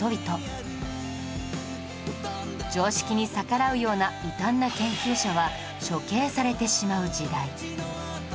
常識に逆らうような異端な研究者は処刑されてしまう時代